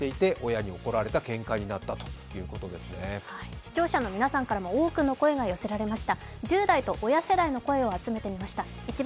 視聴者の皆さんからも多くの声が寄せられました。